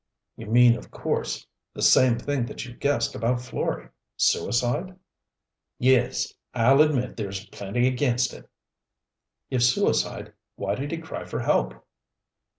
"You mean of course the same thing that you guessed about Florey. Suicide?" "Yes. I'll admit there's plenty against it." "If suicide why did he cry for help?"